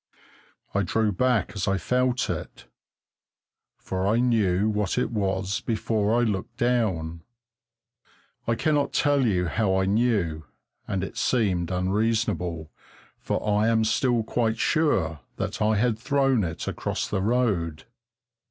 I drew back as I felt it, for I knew what it was before I looked down. I cannot tell you how I knew, and it seemed unreasonable, for I am still quite sure that I had thrown it across the road.